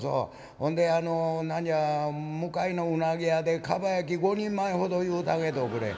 ほんで何じゃ向かいの鰻屋でかば焼き５人前ほど言うたげとくれ」。